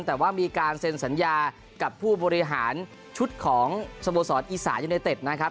แต่ว่ามีการเซ็นสัญญากับผู้บริหารชุดของสโมสรอีสานยูเนเต็ดนะครับ